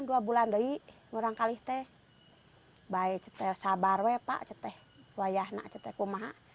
dua bulan lagi kurang kali baik kita sabar pak kita bayar kita berumah